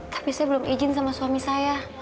tapi saya belum izin sama suami saya